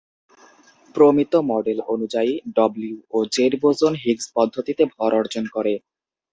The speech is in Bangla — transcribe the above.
প্রমিত মডেল অনুযায়ী, ডব্লিউ ও জেড বোসন হিগস পদ্ধতিতে ভর অর্জন করে।